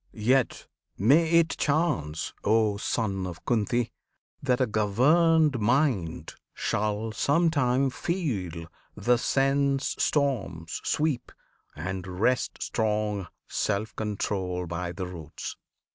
Yet may it chance, O Son of Kunti! that a governed mind Shall some time feel the sense storms sweep, and wrest Strong self control by the roots.